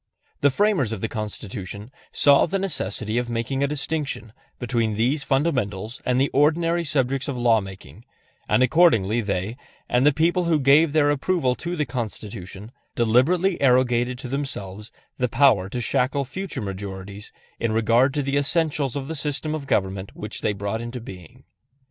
The framers of the Constitution saw the necessity of making a distinction between these fundamentals and the ordinary subjects of law making, and accordingly they, and the people who gave their approval to the Constitution, deliberately arrogated to themselves the power to shackle future majorities in regard to the essentials of the system of government which they brought into being.